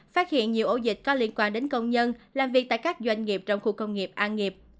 phát hiện nhiều ổ dịch có liên quan đến công nhân làm việc tại các doanh nghiệp trong khu công nghiệp an nghiệp